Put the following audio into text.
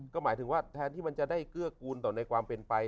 ก็หมายถึงว่าแทนที่มันจะได้เกื้อกูลต่อในความเป็นไป